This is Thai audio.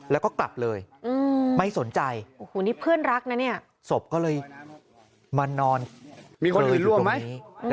แล้วก็กลับเลยไม่สนใจโอ้โหนี่เพื่อนรักนะเนี่ยศพก็เลยมานอนคนอื่นล่วง